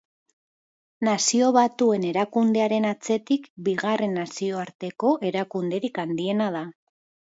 Nazio Batuen Erakundearen atzetik bigarren nazioarteko erakunderik handiena da.